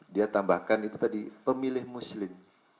dia tambahkan itu tadi pemilih muslim